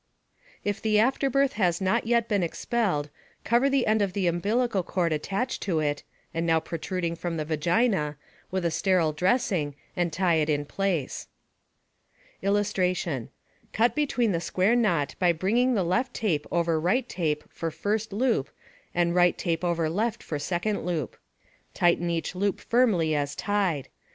If the afterbirth has not yet been expelled, cover the end of the umbilical cord attached to it (and now protruding from the vagina) with a sterile dressing and tie it in place. [Illustration: Cut between the square knot by bringing the left tape over right tape for first loop and right tape over left for second loop. Tighten each loop firmly as tied.